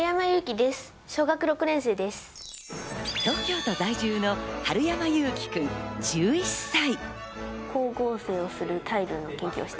東京都在住の春山侑輝くん、１１歳。